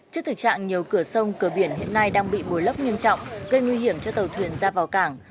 trước thực trạng nhiều cửa sông cửa biển hiện nay đang bị bồi lấp nghiêm trọng gây nguy hiểm cho tàu thuyền ra vào cảng